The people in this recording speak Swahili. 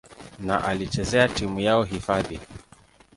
na alichezea timu yao hifadhi.